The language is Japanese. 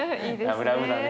ラブラブだね。